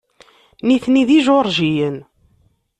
Nitni d Ijuṛjiyen.